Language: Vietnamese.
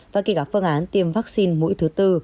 và kỳ gặp phương án tiêm vaccine mỗi thứ bốn